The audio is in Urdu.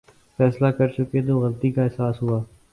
فیصلہ کرچکے تو غلطی کا احساس ہوا۔